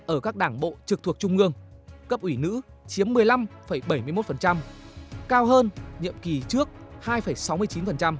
ở các đảng bộ trực thuộc trung ương cấp ủy nữ chiếm một mươi năm bảy mươi một cao hơn nhiệm kỳ trước hai sáu mươi chín